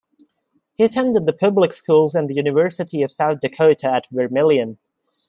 He attended the public schools and the University of South Dakota at Vermillion.